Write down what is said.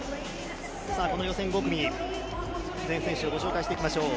この予選５組、全選手をご紹介していきましょう。